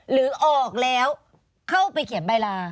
หรือออกแล้วเข้าไปเขียนใบลา